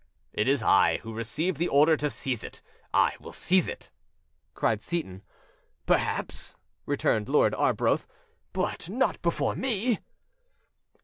"It is I who received the order to seize it; I will seize it!" cried Seyton. "Perhaps," returned Lord Arbroath, "but not before me!"